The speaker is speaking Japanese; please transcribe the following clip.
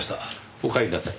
おかえりなさい。